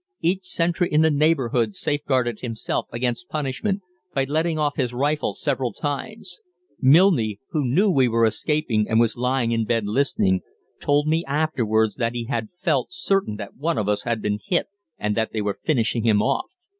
Each sentry in the neighborhood safeguarded himself against punishment by letting off his rifle several times. Milne, who knew we were escaping and was lying in bed listening, told me afterwards that he had felt certain that one of us had been hit and that they were finishing him off.